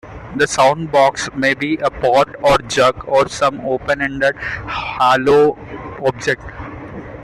The sound box may be a pot or jug or some open-ended hollow object.